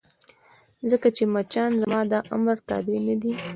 ځکه چې مچان زما د امر تابع نه دي.